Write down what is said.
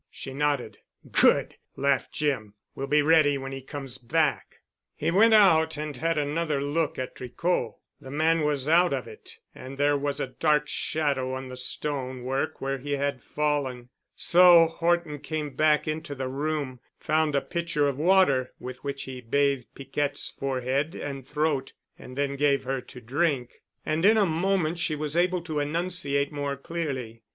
She nodded. "Good," laughed Jim. "We'll be ready when he comes back." He went out and had another look at Tricot. The man was out of it and there was a dark shadow on the stone work where he had fallen. So Horton came back into the room, found a pitcher of water, with which he bathed Piquette's forehead and throat and then gave her to drink. And in a moment she was able to enunciate more clearly.